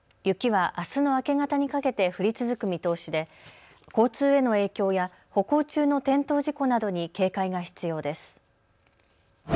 雪はあすの明け方にかけて降り続く見通しで交通への影響や歩行中の転倒事故などに警戒が必要です。